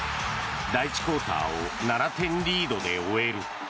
第１クオーターを７点リードで終える。